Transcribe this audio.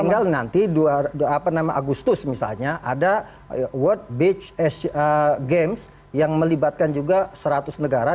tinggal nanti agustus misalnya ada world beach games yang melibatkan juga seratus negara